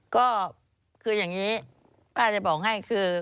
ก็คืออย่างนี้ป้าจะบอกให้คือ